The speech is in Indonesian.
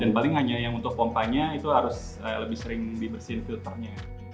dan paling hanya yang untuk pompanya itu harus lebih sering dibersihin filternya